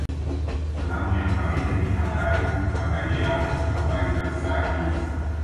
Salamu ya kawaida ni Habari Habari yako Habari za saa hizi